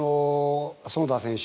細田選手